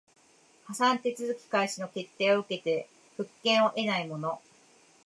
破産手続開始の決定を受けて復権を得ない者